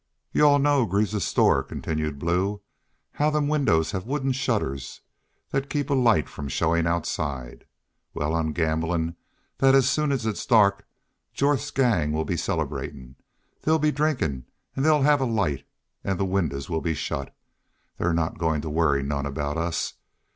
"Y'u all know Greaves's store," continued Blue. "How them winders have wooden shutters thet keep a light from showin' outside? Wal, I'm gamblin' thet as soon as it's dark Jorth's gang will be celebratin'. They'll be drinkin' an' they'll have a light, an' the winders will be shut. They're not goin' to worry none aboot us.